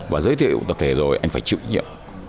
và giới thiệu tập thể rồi anh phải chịu trách nhiệm